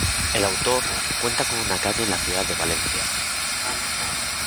El autor cuenta con una calle en la ciudad de Valencia.